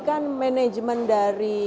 kan manajemen dari